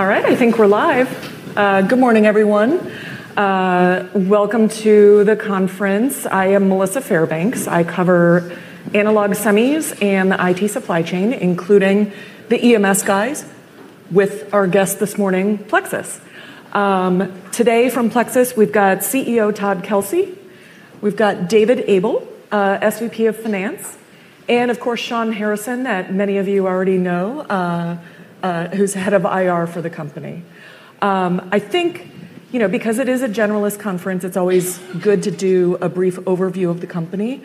All right, I think we're live. Good morning, everyone. Welcome to the conference. I am Melissa Fairbanks. I cover analog semis and IT supply chain, including the EMS guys with our guest this morning, Plexus. Today from Plexus, we've got Chief Executive Officer Todd Kelsey. We've got David Abuhl, Senior Vice President of Finance, and of course, Shawn Harrison, that many of you already know, who's head of Investor Relations for the company. I think, you know, because it is a generalist conference, it's always good to do a brief overview of the company.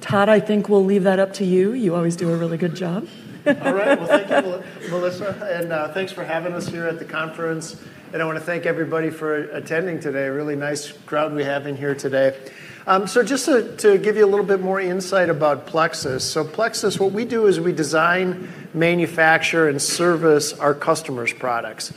Todd, I think we'll leave that up to you. You always do a really good job. All right. Well, thank you, Melissa, and thanks for having us here at the conference. I wanna thank everybody for attending today. A really nice crowd we have in here today. Just to give you a little bit more insight about Plexus. Plexus, what we do is we design, manufacture, and service our customers' products.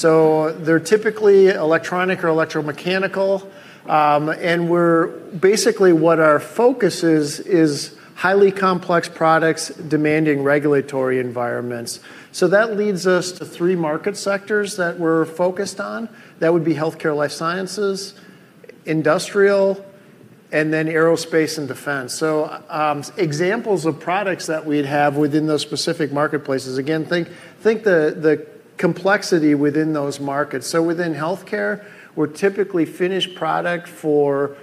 They're typically electronic or electromechanical, and basically what our focus is highly complex products demanding regulatory environments. That leads us to three market sectors that we're focused on. That would be healthcare life sciences, industrial, and then aerospace and defense. Examples of products that we'd have within those specific marketplaces, again, think the complexity within those markets. Within healthcare, we're typically finished product for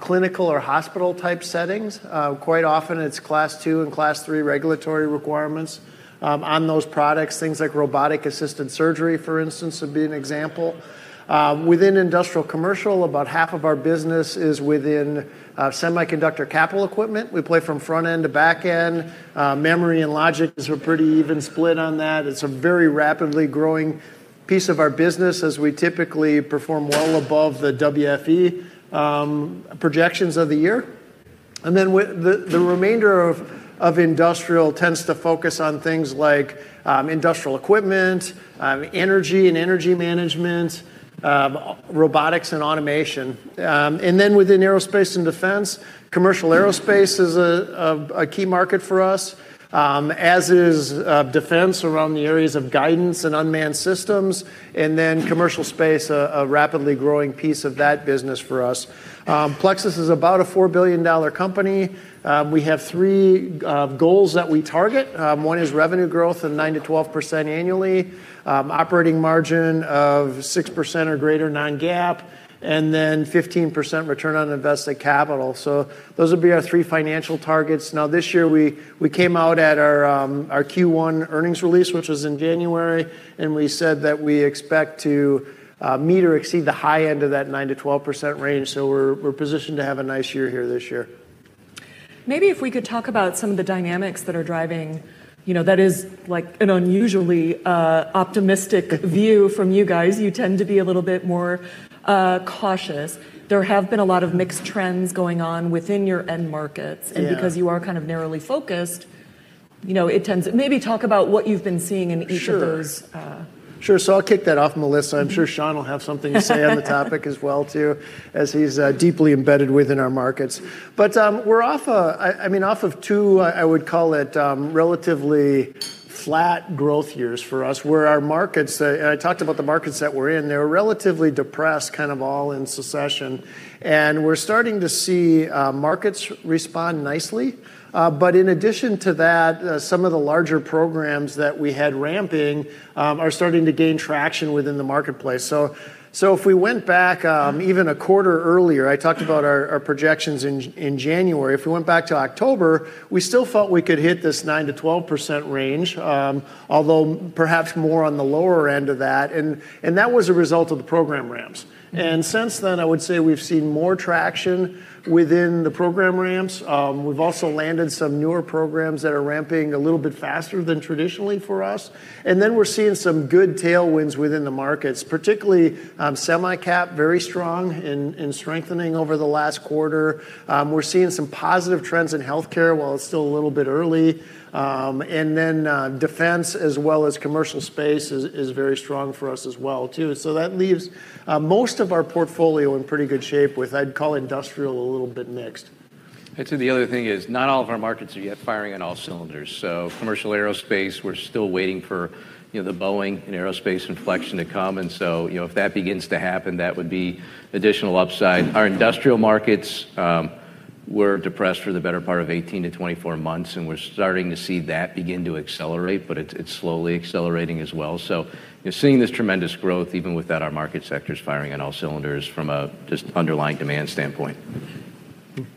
clinical or hospital type settings. Quite often it's Class II and Class III regulatory requirements on those products. Things like robotic-assisted surgery, for instance, would be an example. Within industrial commercial, about half of our business is within semiconductor capital equipment. We play from front end to back end. Memory and logic is a pretty even split on that. It's a very rapidly growing piece of our business as we typically perform well above the WFE projections of the year. The remainder of industrial tends to focus on things like industrial equipment, energy and energy management, robotics and automation. Within aerospace and defense, commercial aerospace is a key market for us, as is defense around the areas of guidance and unmanned systems, and then commercial space, a rapidly growing piece of that business for us. Plexus is about a $4 billion company. We have three goals that we target. One is revenue growth of 9%-12% annually, operating margin of 6% or greater non-GAAP, and then 15% return on invested capital. Those would be our three financial targets. This year we came out at our Q1 earnings release, which was in January, and we said that we expect to meet or exceed the high end of that 9%-12% range. We're positioned to have a nice year here this year. Maybe if we could talk about some of the dynamics that are driving. You know, that is, like, an unusually optimistic view from you guys. You tend to be a little bit more cautious. There have been a lot of mixed trends going on within your end markets. Yeah. Because you are kind of narrowly focused, you know. Maybe talk about what you've been seeing in each of those. Sure. I'll kick that off, Melissa. Sure. I'm sure Shawn will have something to say on the topic as well too, as he's deeply embedded within our markets. We're off I mean, off of two I would call it, relatively flat growth years for us, where our markets. I talked about the markets that we're in. They were relatively depressed, kind of all in succession. We're starting to see markets respond nicely. In addition to that, some of the larger programs that we had ramping, are starting to gain traction within the marketplace. If we went back, even a quarter earlier, I talked about our projections in January. If we went back to October, we still felt we could hit this 9%-12% range, although perhaps more on the lower end of that, and that was a result of the program ramps. Since then, I would say we've seen more traction within the program ramps. We've also landed some newer programs that are ramping a little bit faster than traditionally for us. We're seeing some good tailwinds within the markets, particularly semi-cap, very strong and strengthening over the last quarter. We're seeing some positive trends in healthcare, while it's still a little bit early. Defense as well as commercial space is very strong for us as well too. That leaves most of our portfolio in pretty good shape with, I'd call industrial a little bit mixed. I'd say the other thing is not all of our markets are yet firing on all cylinders. Commercial aerospace, we're still waiting for, you know, the Boeing and aerospace inflection to come. If that begins to happen, that would be additional upside. Our industrial markets were depressed for the better part of 18-24 months, and we're starting to see that begin to accelerate, but it's slowly accelerating as well. You're seeing this tremendous growth even without our market sectors firing on all cylinders from a just underlying demand standpoint.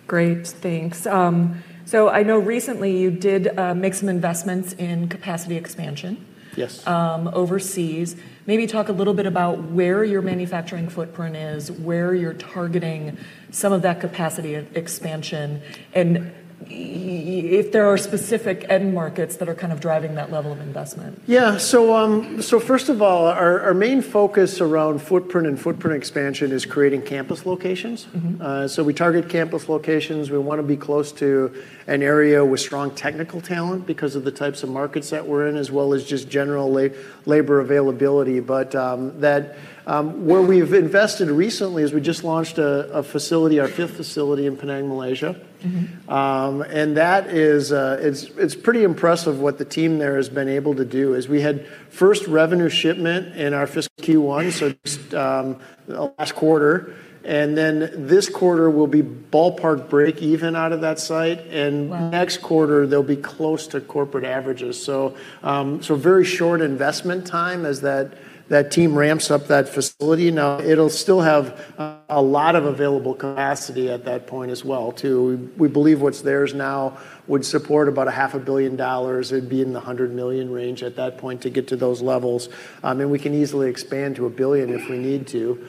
Great. Thanks. I know recently you did make some investments in capacity expansion- Yes.... overseas. Maybe talk a little bit about where your manufacturing footprint is, where you're targeting some of that capacity expansion, and If there are specific end markets that are kind of driving that level of investment. Yeah. First of all, our main focus around footprint and footprint expansion is creating campus locations. We target campus locations. We wanna be close to an area with strong technical talent because of the types of markets that we're in, as well as just general labor availability. That, where we've invested recently is we just launched a facility, our fifth facility in Penang, Malaysia. That is, it's pretty impressive what the team there has been able to do, is we had first revenue shipment in our fiscal Q1, so just the last quarter, and then this quarter will be ballpark break even out of that site. Wow. Next quarter they'll be close to corporate averages. Very short investment time as that team ramps up that facility. It'll still have a lot of available capacity at that point as well, too. We believe what's theirs now would support about a half a billion dollars. It'd be in the $100 million range at that point to get to those levels. We can easily expand to $1 billion if we need to.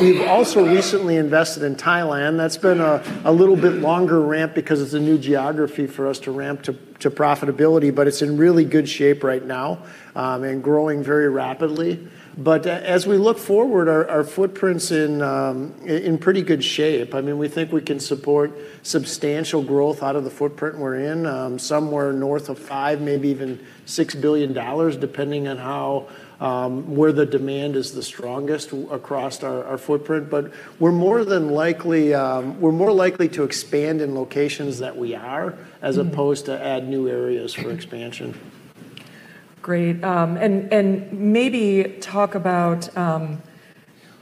We've also recently invested in Thailand. That's been a little bit longer ramp because it's a new geography for us to ramp to profitability, but it's in really good shape right now and growing very rapidly. As we look forward, our footprint's in pretty good shape. I mean, we think we can support substantial growth out of the footprint we're in, somewhere north of $5 billion, maybe even $6 billion, depending on how where the demand is the strongest across our footprint. we're more than likely, we're more likely to expand in locations that we are as opposed to add new areas for expansion. Great. Maybe talk about,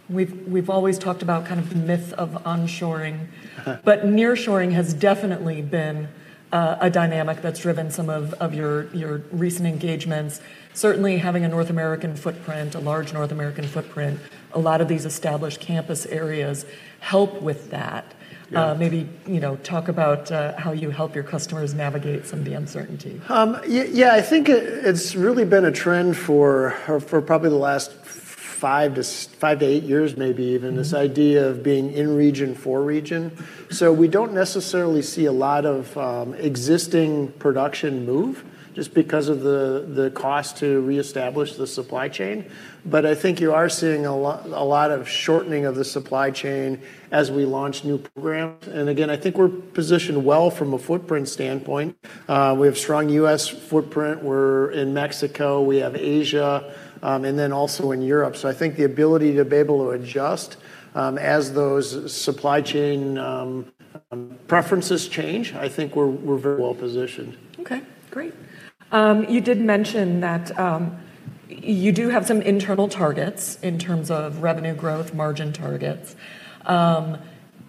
we've always talked about kind of the myth of onshoring. Nearshoring has definitely been a dynamic that's driven some of your recent engagements. Certainly having a North American footprint, a large North American footprint, a lot of these established campus areas help with that. Yeah. Maybe, you know, talk about, how you help your customers navigate some of the uncertainty. Yeah, I think it's really been a trend for probably the last five to eight years maybe even. This idea of being in region for region. We don't necessarily see a lot of existing production move just because of the cost to reestablish the supply chain, but I think you are seeing a lot of shortening of the supply chain as we launch new programs. Again, I think we're positioned well from a footprint standpoint. We have strong U.S. footprint. We're in Mexico. We have Asia, and then also in Europe. I think the ability to be able to adjust as those supply chain preferences change, I think we're very well positioned. Okay. Great. You did mention that you do have some internal targets in terms of revenue growth, margin targets.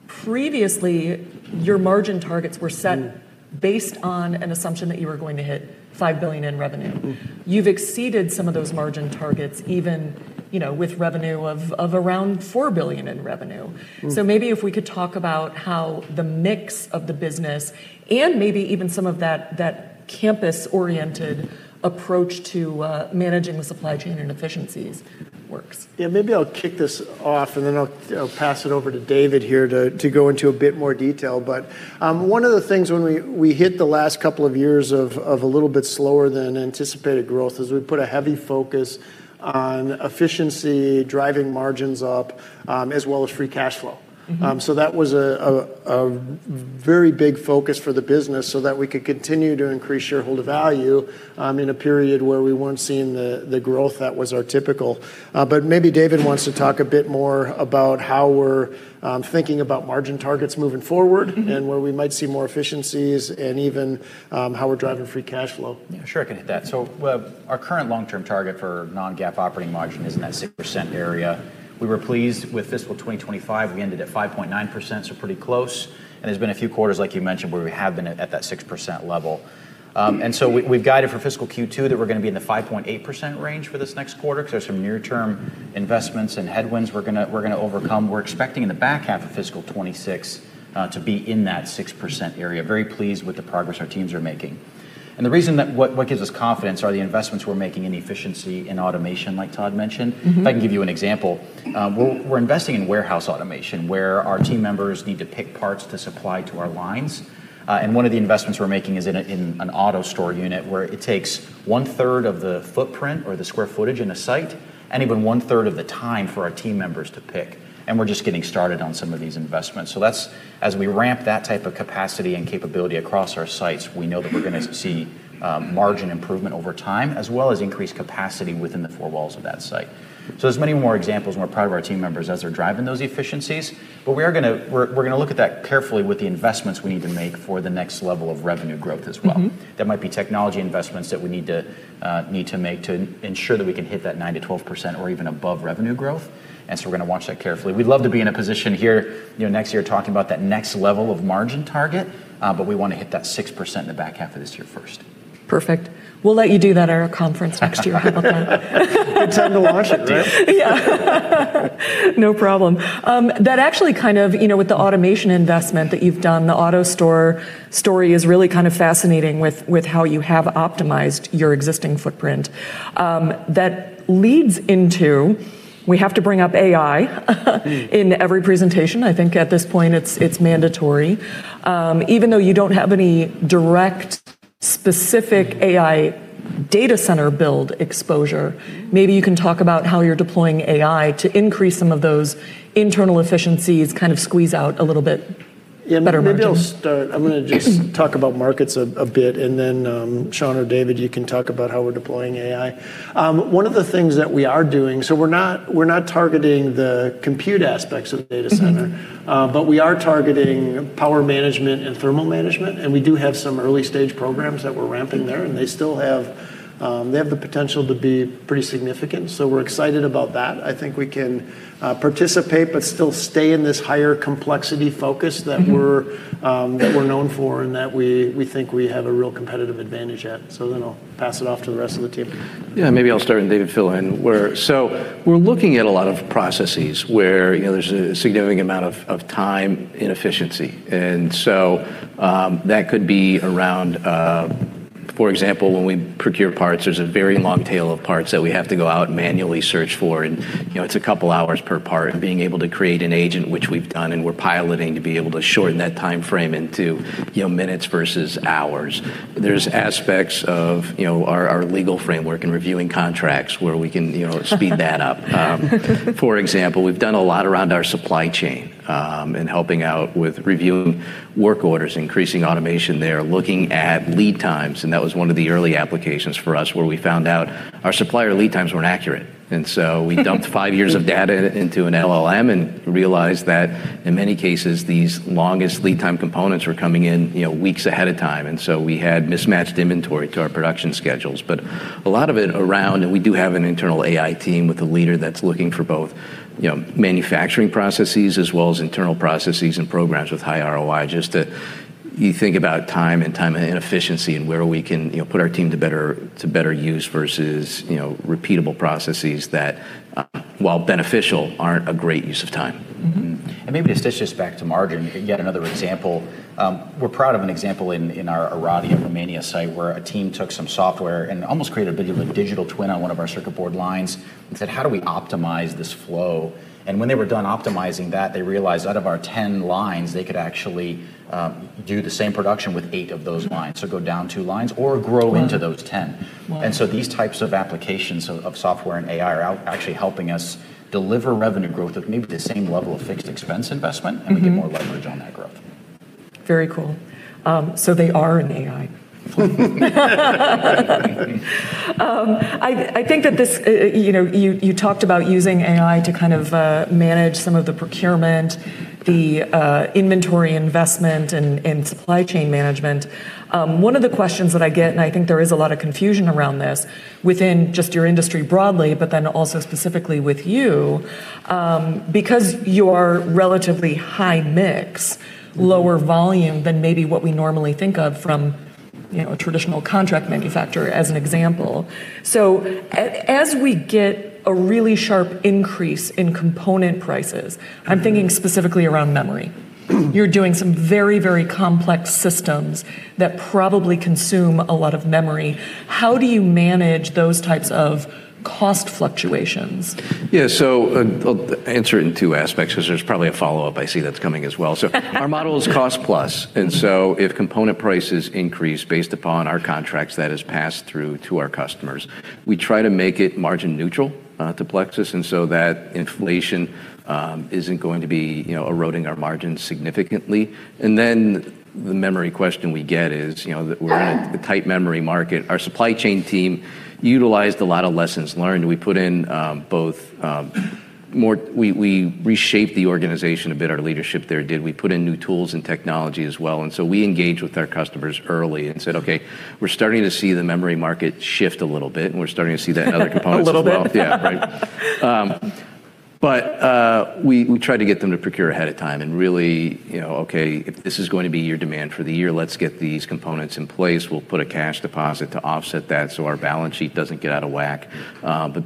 Previously, your margin targets were set based on an assumption that you were going to hit $5 billion in revenue. You've exceeded some of those margin targets even, you know, with revenue of around $4 billion in revenue. Maybe if we could talk about how the mix of the business and maybe even some of that campus-oriented approach to managing the supply chain and efficiencies works. Yeah, maybe I'll kick this off. Then I'll pass it over to David here to go into a bit more detail. One of the things when we hit the last couple of years of a little bit slower than anticipated growth is we put a heavy focus on efficiency, driving margins up, as well as free cash flow. That was a very big focus for the business so that we could continue to increase shareholder value in a period where we weren't seeing the growth that was our typical. Maybe David wants to talk a bit more about how we're thinking about margin targets moving forward and where we might see more efficiencies and even, how we're driving free cash flow. Yeah. Sure, I can hit that. Our current long-term target for non-GAAP operating margin is in that 6% area. We were pleased with fiscal 2025. We ended at 5.9%, so pretty close, and there's been a few quarters, like you mentioned, where we have been at that 6% level. We've guided for fiscal Q2 that we're gonna be in the 5.8% range for this next quarter, 'cause there's some near-term investments and headwinds we're gonna overcome. We're expecting in the back half of fiscal 2026 to be in that 6% area. Very pleased with the progress our teams are making. The reason that, what gives us confidence are the investments we're making in efficiency, in automation, like Todd mentioned. If I can give you an example. We're investing in warehouse automation where our team members need to pick parts to supply to our lines. One of the investments we're making is in an AutoStore unit where it takes 1/3 of the footprint or the square footage in a site and even one-third of the time for our team members to pick. We're just getting started on some of these investments. As we ramp that type of capacity and capability across our sites, we know that we're gonna see margin improvement over time as well as increased capacity within the four walls of that site. There's many more examples. We're proud of our team members as they're driving those efficiencies. We're gonna look at that carefully with the investments we need to make for the next level of revenue growth as well. That might be technology investments that we need to make to ensure that we can hit that 9%-12% or even above revenue growth, and so we're gonna watch that carefully. We'd love to be in a position here, you know, next year talking about that next level of margin target, but we wanna hit that 6% in the back half of this year first. Perfect. We'll let you do that at our conference next year. How about that? Good time to launch it, right? No problem. That actually kind of, you know, with the automation investment that you've done, the AutoStore story is really kind of fascinating with how you have optimized your existing footprint. That leads into we have to bring up AI in every presentation. I think at this point it's mandatory. Even though you don't have any direct specific AI data center build exposure, maybe you can talk about how you're deploying AI to increase some of those internal efficiencies, kind of squeeze out a little bit more. Yeah, maybe I'll start. I'm gonna just talk about markets a bit and then Shawn or David, you can talk about how we're deploying AI. One of the things that we are doing we're not targeting the compute aspects of the data center. We are targeting power management and thermal management, and we do have some early stage programs that we're ramping there. They still have the potential to be pretty significant, so we're excited about that. I think we can, participate but still stay in this higher complexity focus that we're known for, and that we think we have a real competitive advantage at. I'll pass it off to the rest of the team. Yeah, maybe I'll start and David fill in where. We're looking at a lot of processes where, you know, there's a significant amount of time inefficiency. That could be around, for example, when we procure parts, there's a very long tail of parts that we have to go out and manually search for and, you know, it's a couple of hours per part. Being able to create an agent, which we've done, and we're piloting to be able to shorten that timeframe into, you know, minutes versus hours. There's aspects of, you know, our legal framework and reviewing contracts where we can speed that up. For example, we've done a lot around our supply chain, in helping out with reviewing work orders, increasing automation there, looking at lead times, and that was one of the early applications for us where we found out our supplier lead times weren't accurate. We dumped five years of data into an LLM and realized that in many cases, these longest lead time components were coming in, you know, weeks ahead of time. We had mismatched inventory to our production schedules. A lot of it around, and we do have an internal AI team with a leader that's looking for both, you know, manufacturing processes as well as internal processes and programs with high ROI just to you think about time and inefficiency and where we can, you know, put our team to better use versus, you know, repeatable processes that, while beneficial, aren't a great use of time. Maybe to stitch this back to margin, yet another example. We're proud of an example in our Oradea, Romania site where a team took some software and almost created a bit of a digital twin on one of our circuit board lines and said, "How do we optimize this flow?" When they were done optimizing that, they realized out of our 10 lines, they could actually do the same production with eight of those lines. Go down two lines or grow into those 10. Wow. These types of applications of software and AI are actually helping us deliver revenue growth of maybe the same level of fixed expense investment. We get more leverage on that growth. Very cool. They are an AI. I think that this, you know, you talked about using AI to kind of manage some of the procurement, the inventory investment and supply chain management. One of the questions that I get, and I think there is a lot of confusion around this, within just your industry broadly, but then also specifically with you, because you're relatively high mix, lower volume than maybe what we normally think of from, you know, a traditional contract manufacturer as an example. As we get a really sharp increase in component prices, I'm thinking specifically around memory, you're doing some very, very complex systems that probably consume a lot of memory. How do you manage those types of cost fluctuations? Yeah. I'll answer it in two aspects 'cause there's probably a follow-up I see that's coming as well. Our model is cost-plus. If component prices increase based upon our contracts, that is passed through to our customers. We try to make it margin neutral, to Plexus, and so that inflation, isn't going to be, you know, eroding our margins significantly. The memory question we get is, you know, that we're in a tight memory market. Our supply chain team utilized a lot of lessons learned. We put in, both, We reshaped the organization a bit, our leadership there did. We put in new tools and technology as well, and so we engaged with our customers early and said, "Okay, we're starting to see the memory market shift a little bit, and we're starting to see that in other components as well. A little bit. Yeah. Right. We try to get them to procure ahead of time and really, you know, "Okay, if this is going to be your demand for the year, let's get these components in place. We'll put a cash deposit to offset that, so our balance sheet doesn't get out of whack."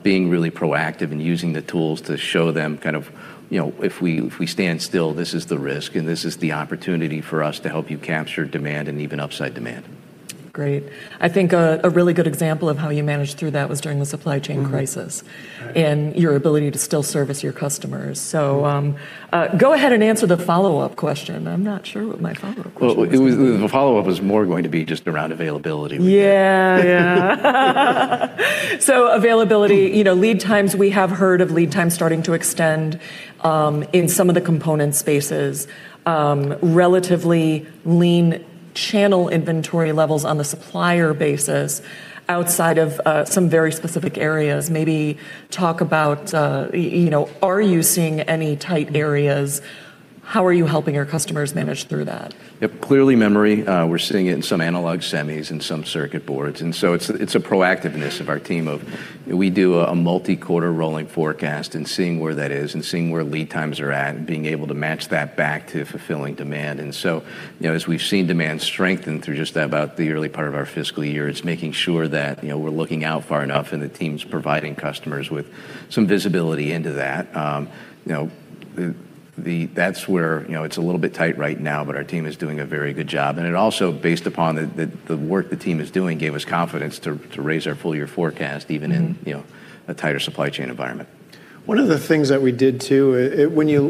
Being really proactive and using the tools to show them kind of, you know, if we stand still, this is the risk, and this is the opportunity for us to help you capture demand and even upside demand. Great. I think a really good example of how you managed through that was during the supply chain crisis. Right. And your ability to still service your customers. Go ahead and answer the follow-up question. I'm not sure what my follow-up question was. Well, the follow-up was more going to be just around availability. Yeah. Yeah. Availability, you know, lead times, we have heard of lead times starting to extend in some of the component spaces. Relatively lean channel inventory levels on the supplier basis outside of some very specific areas. Maybe talk about, you know, are you seeing any tight areas? How are you helping your customers manage through that? Yeah, clearly memory. We're seeing it in some analog semis and some circuit boards. It's, it's a proactiveness of our team. We do a multi-quarter rolling forecast and seeing where that is, and seeing where lead times are at, and being able to match that back to fulfilling demand. You know, as we've seen demand strengthen through just about the early part of our fiscal year, it's making sure that, you know, we're looking out far enough, and the team's providing customers with some visibility into that. You know, that's where, you know, it's a little bit tight right now, but our team is doing a very good job. It also, based upon the work the team is doing, gave us confidence to raise our full year forecast even you know, a tighter supply chain environment. One of the things that we did too, when you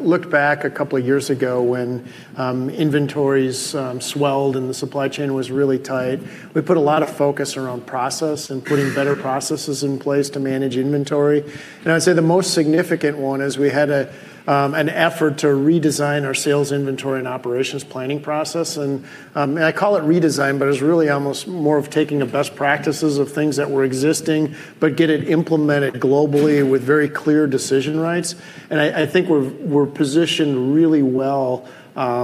look back a couple of years ago when inventories swelled and the supply chain was really tight, we put a lot of focus around process and putting better processes in place to manage inventory. I'd say the most significant one is we had an effort to redesign our Sales Inventory and Operations Planning process. I call it redesign, but it was really almost more of taking the best practices of things that were existing, but get it implemented globally with very clear decision rights. I think we're positioned really well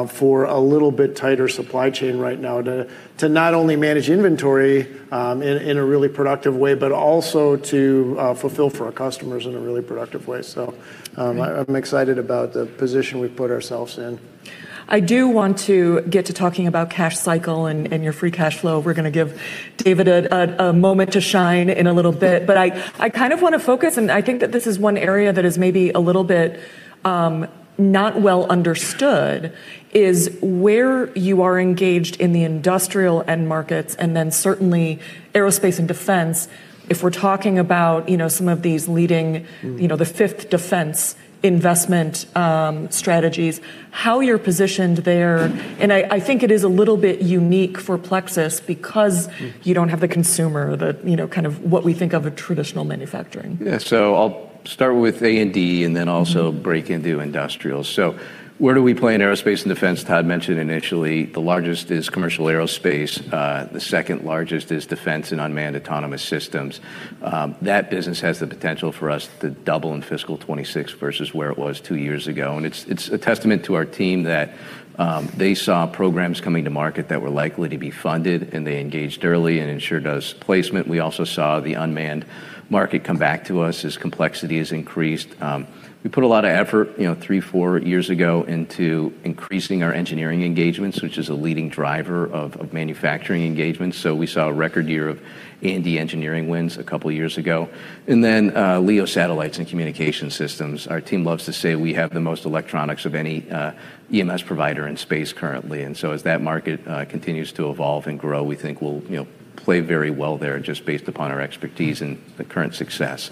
for a little bit tighter supply chain right now to not only manage inventory in a really productive way, but also to fulfill for our customers in a really productive way. So, um- Great. I'm excited about the position we've put ourselves in. I do want to get to talking about cash cycle and your free cash flow. We're gonna give David a moment to shine in a little bit. I kind of wanna focus, and I think that this is one area that is maybe a little bit not well understood, is where you are engaged in the industrial end markets and then certainly aerospace and defense. If we're talking about, you know, some of these leading, you know, the fifth defense investment strategies, how you're positioned there, and I think it is a little bit unique for Plexus because you don't have the consumer, you know, kind of what we think of a traditional manufacturing. Yeah. I'll start with A&D break into industrial. Where do we play in aerospace and defense? Todd mentioned initially the largest is commercial aerospace. The second-largest is defense and unmanned autonomous systems. That business has the potential for us to double in fiscal 2026 versus where it was two years ago, and it's a testament to our team that they saw programs coming to market that were likely to be funded, and they engaged early and ensured us placement. We also saw the unmanned market come back to us as complexity has increased. We put a lot of effort, you know, three, four years ago into increasing our engineering engagements, which is a leading driver of manufacturing engagements, so we saw a record year of A&D engineering wins a couple years ago. Then LEO satellites and communication systems. Our team loves to say we have the most electronics of any EMS provider in space currently, and so as that market continues to evolve and grow, we think we'll, you know, play very well there just based upon our expertise and the current success.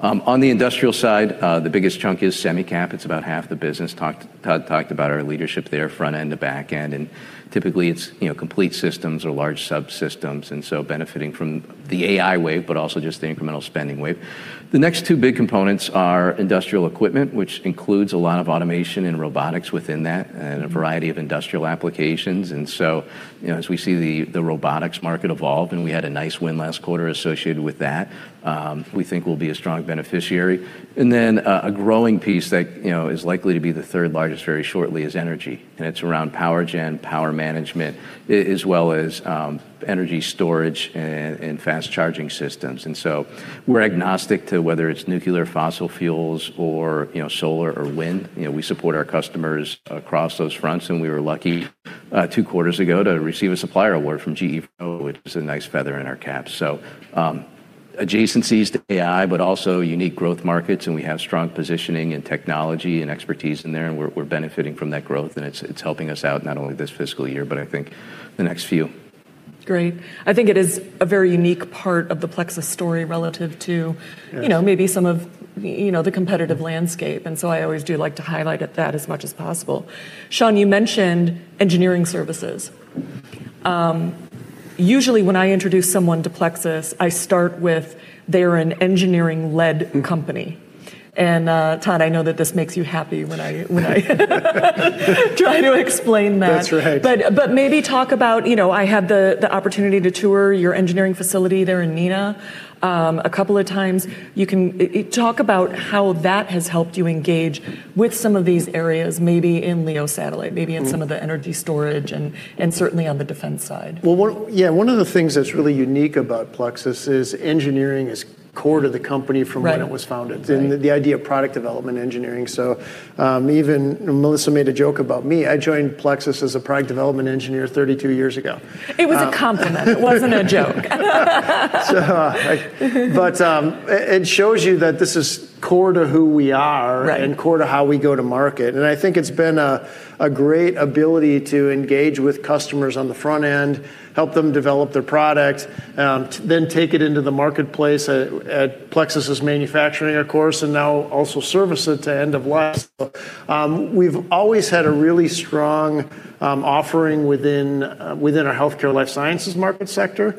On the industrial side, the biggest chunk is semi-cap. It's about half the business. Todd talked about our leadership there, front end to back end, and typically it's, you know, complete systems or large subsystems, and so benefiting from the AI wave, but also just the incremental spending wave. The next two big components are industrial equipment, which includes a lot of automation and robotics within that and a variety of industrial applications. You know, as we see the robotics market evolve, and we had a nice win last quarter associated with that, we think we'll be a strong beneficiary. a growing piece that, you know, is likely to be the third largest very shortly is energy, and it's around power gen, power management, as well as, energy storage and fast charging systems. we're agnostic to whether it's nuclear, fossil fuels or, you know, solar or wind. You know, we support our customers across those fronts, and we were lucky, two quarters ago to receive a supplier award from GE, which is a nice feather in our cap. Adjacencies to AI, but also unique growth markets, and we have strong positioning and technology and expertise in there, and we're benefiting from that growth, and it's helping us out not only this fiscal year, but I think the next few. Great. I think it is a very unique part of the Plexus story relative to- Yes.... you know, maybe some of, you know, the competitive landscape. I always do like to highlight at that as much as possible. Shawn, you mentioned engineering services. Usually when I introduce someone to Plexus, I start with they're an engineering-led company. Todd, I know that this makes you happy when I try to explain that. That's right. Maybe talk about, you know, I had the opportunity to tour your engineering facility there in Neenah, a couple of times. You can talk about how that has helped you engage with some of these areas, maybe in LEO satellite, maybe in some of the energy storage and certainly on the defense side. Well, one of the things that's really unique about Plexus is engineering is core to the company. Right. It was founded. Right. And the idea of product development engineering. Even Melissa made a joke about me. I joined Plexus as a product development engineer 32 years ago. It was a compliment. It wasn't a joke. It shows you that this is core to who we are. Right Core to how we go to market. I think it's been a great ability to engage with customers on the front end, help them develop their product, then take it into the marketplace at Plexus's manufacturing, of course, and now also service it to end of life. We've always had a really strong offering within our healthcare life sciences market sector.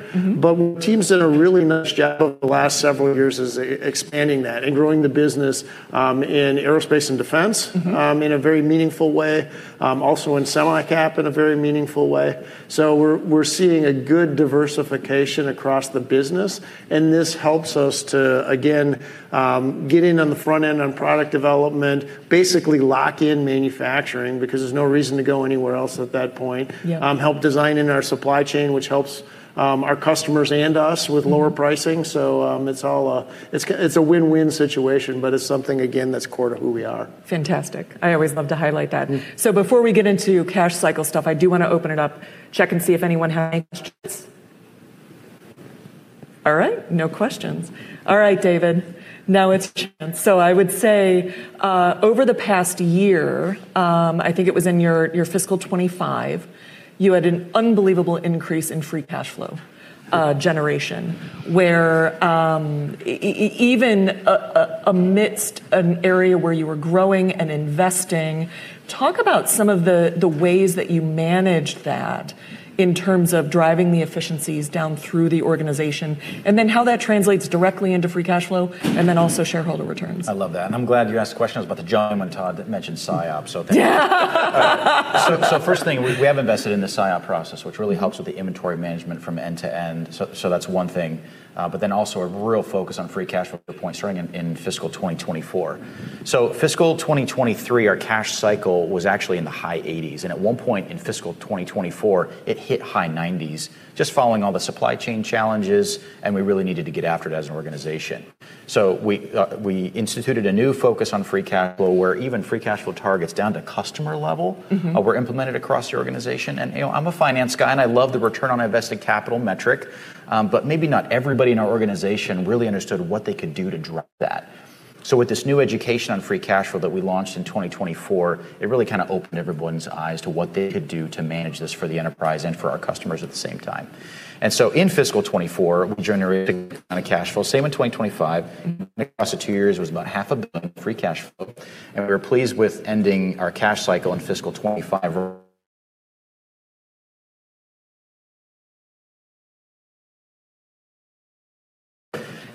Teams did a really nice job over the last several years is expanding that and growing the business in aerospace and defense in a very meaningful way. Also in semi-cap in a very meaningful way. We're seeing a good diversification across the business, and this helps us to, again, get in on the front end on product development, basically lock in manufacturing because there's no reason to go anywhere else at that point. Yeah. Help design in our supply chain, which helps our customers and us with lower pricing. It's all a, it's a win-win situation, but it's something, again, that's core to who we are. Fantastic. I always love to highlight that before we get into cash cycle stuff, I do wanna open it up, check and see if anyone has any questions. All right. No questions. All right, David, now it's your turn. I would say, over the past year, I think it was in your fiscal 2025, you had an unbelievable increase in free cash flow generation, where even amidst an area where you were growing and investing. Talk about some of the ways that you managed that in terms of driving the efficiencies down through the organization, and then how that translates directly into free cash flow and then also shareholder returns. I love that. I'm glad you asked questions about the gentleman, Todd, that mentioned SIOP. Thank you. Yeah. First thing, we have invested in the SIOP process, which really helps with the inventory management from end to end. That's one thing. Also a real focus on free cash flow points starting in fiscal 2024. Fiscal 2023, our cash cycle was actually in the high 80s, and at one point in fiscal 2024, it hit high 90s, just following all the supply chain challenges, and we really needed to get after it as an organization. We instituted a new focus on free cash flow, where even free cash flow targets down to customer level were implemented across the organization. You know, I'm a finance guy, and I love the return on invested capital metric, but maybe not everybody in our organization really understood what they could do to drive that. With this new education on free cash flow that we launched in 2024, it really kinda opened everyone's eyes to what they could do to manage this for the enterprise and for our customers at the same time. In fiscal 2024, we generated kinda cash flow, same in 2025. Across the two years was about half a billion free cash flow, and we were pleased with ending our cash cycle in fiscal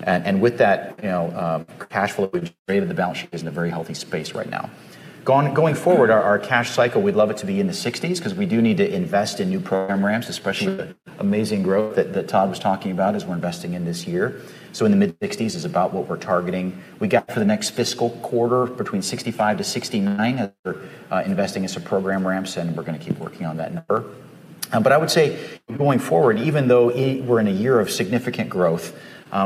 2025. With that, you know, cash flow that we generated, the balance sheet is in a very healthy space right now. Going forward, our cash cycle, we'd love it to be in the 60s cause we do need to invest in new program ramps, especially with the amazing growth that Todd was talking about as we're investing in this year. In the mid-60s is about what we're targeting. We got for the next fiscal quarter between 65-69 as we're investing in some program ramps, and we're gonna keep working on that number. I would say going forward, even though we're in a year of significant growth,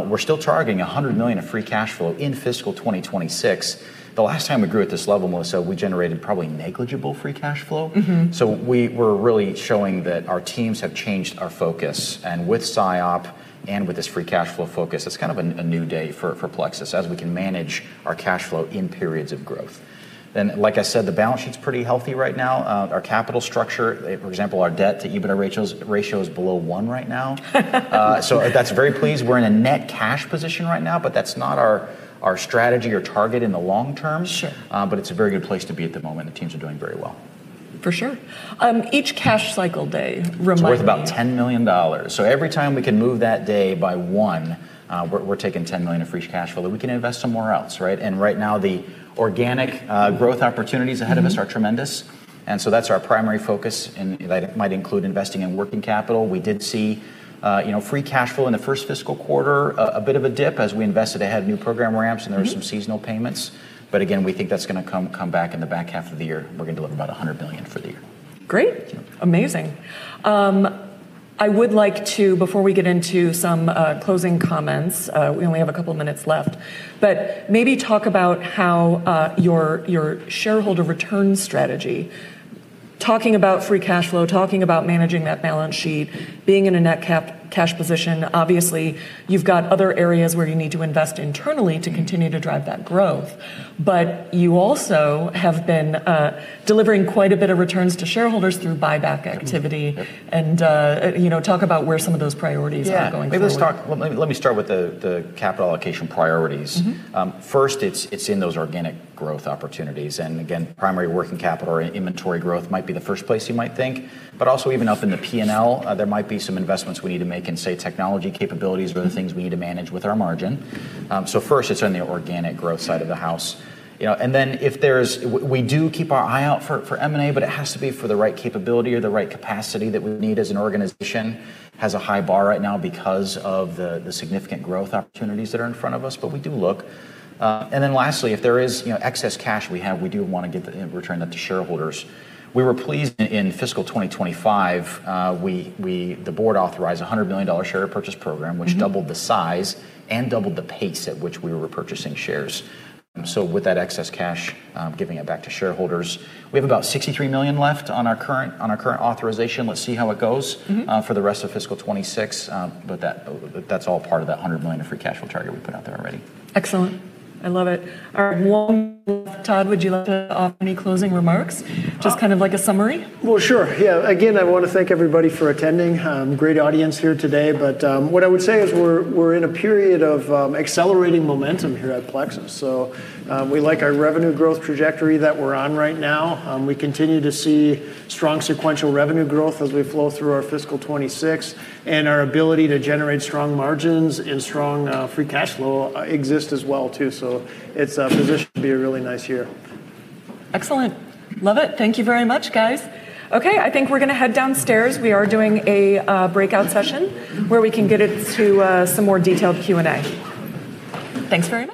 we're still targeting $100 million of free cash flow in fiscal 2026. The last time we grew at this level, Melissa, we generated probably negligible free cash flow. We're really showing that our teams have changed our focus, and with SIOP and with this free cash flow focus, it's kind of a new day for Plexus as we can manage our cash flow in periods of growth. Like I said, the balance sheet's pretty healthy right now. Our capital structure, for example, our debt to EBITDA ratio is below 1.0x right now. That's very pleased. We're in a net cash position right now, but that's not our strategy or target in the long term. Sure. It's a very good place to be at the moment. The teams are doing very well. For sure. Each cash cycle day reminds me. It's worth about $10 million. Every time we can move that day by one, we're taking $10 million of fresh cash flow that we can invest somewhere else, right? Right now the organic, growth opportunities ahead of us are tremendous, and so that's our primary focus, and that might include investing in working capital. We did see, you know, free cash flow in the first fiscal quarter, a bit of a dip as we invested ahead of new program ramp and there were some seasonal payments. Again, we think that's gonna come back in the back half of the year. We're gonna deliver about $100 million for the year. Great. Thank you. Amazing. I would like to, before we get into some closing comments, we only have a couple minutes left, but maybe talk about how your shareholder return strategy, talking about free cash flow, talking about managing that balance sheet, being in a net cash position, obviously you've got other areas where you need to invest internally to continue to drive that growth. You also have been delivering quite a bit of returns to shareholders through buyback activity. Yep. You know, talk about where some of those priorities are going forward. Yeah. Let me start with the capital allocation priorities. First, it's in those organic growth opportunities. Again, primary working capital or inventory growth might be the first place you might think. Also even up in the P&L, there might be some investments we need to make in, say, technology capabilities or the things we need to manage with our margin. First it's on the organic growth side of the house. You know, if there's, we do keep our eye out for M&A, but it has to be for the right capability or the right capacity that we need as an organization. Has a high bar right now because of the significant growth opportunities that are in front of us, but we do look. Lastly, if there is, you know, excess cash we have, we do wanna return that to shareholders. We were pleased in fiscal 2025, the board authorized a $100 million share purchase program which doubled the size and doubled the pace at which we were repurchasing shares. With that excess cash, giving it back to shareholders, we have about $63 million left on our current, on our current authorization. Let's see how it goes for the rest of fiscal 26. That's all part of that $100 million of free cash flow target we put out there already. Excellent. I love it. Todd, would you like to offer any closing remarks? Uh- Just kind of like a summary? Sure, yeah. I want to thank everybody for attending. Great audience here today. What I would say is we're in a period of accelerating momentum here at Plexus. We like our revenue growth trajectory that we're on right now. We continue to see strong sequential revenue growth as we flow through our fiscal 2026, and our ability to generate strong margins and strong free cash flow exist as well too. It's positioned to be a really nice year. Excellent. Love it. Thank you very much, guys. I think we're gonna head downstairs. We are doing a breakout session where we can get into some more detailed Q&A. Thanks very much.